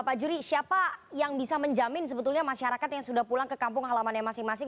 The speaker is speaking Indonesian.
pak juri siapa yang bisa menjamin sebetulnya masyarakat yang sudah pulang ke kampung halamannya masing masing